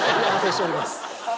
反省しております。